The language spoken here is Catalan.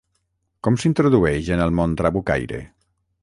Com s’introdueix en el món trabucaire?